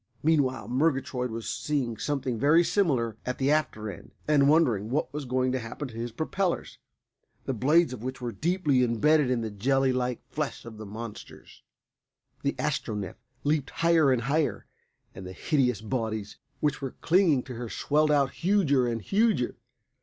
Meanwhile Murgatroyd was seeing something very similar at the after end, and wondering what was going to happen to his propellers, the blades of which were deeply imbedded in the jelly like flesh of the monsters. The Astronef leaped higher and higher, and the hideous bodies which were clinging to her swelled out huger and huger.